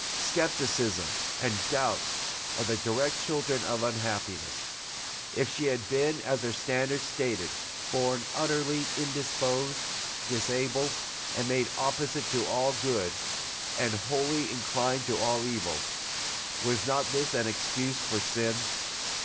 Scepticism and doubt are the direct children of unhappiness. If she had been, as her standards stated, born "utterly indisposed, disabled, and made opposite to all good, and wholly inclined to all evil," was not this an excuse for sin?